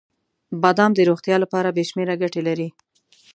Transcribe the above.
• بادام د روغتیا لپاره بې شمیره ګټې لري.